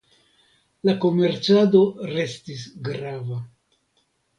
La komercado restis grava.